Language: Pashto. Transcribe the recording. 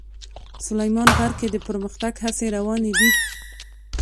سلیمان غر کې د پرمختګ هڅې روانې دي.